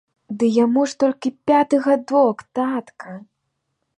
Ды яму ж толькі пяты гадок, татка.